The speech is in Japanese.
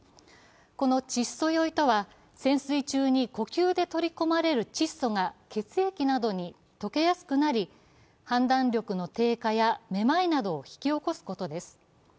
この窒素酔いとは潜水中に呼吸で取り込まれる窒素が血液などに溶けやすくなり判断力の低下やめまいなどを引き起こすことです。